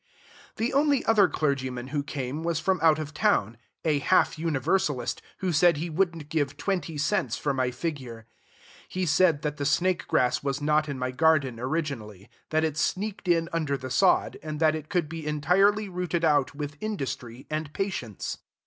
The only other clergyman who came was from out of town, a half Universalist, who said he wouldn't give twenty cents for my figure. He said that the snake grass was not in my garden originally, that it sneaked in under the sod, and that it could be entirely rooted out with industry and patience.